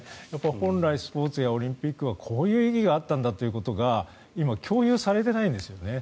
本来、スポーツやオリンピックはこういう意義があったんだということが今、共有されてないんですよね。